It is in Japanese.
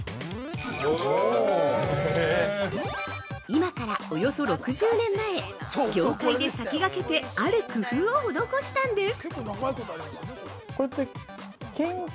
◆今からおよそ６０年前業界で先駆けてある工夫を施したんです。